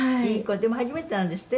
でも初めてなんですって？